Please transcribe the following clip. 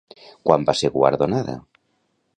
Quan va ser guardonada?